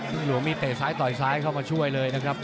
หลวงมีเตะซ้ายต่อยซ้ายเข้ามาช่วยเลยนะครับ